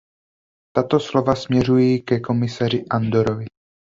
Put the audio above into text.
Tato slova směřuji ke komisařovi Andorovi.